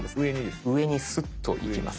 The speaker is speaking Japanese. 上にスッといきます。